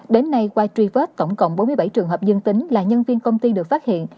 đến nay qua truy vết tổng cộng bốn mươi bảy trường hợp dương tính là nhân viên công ty được phát hiện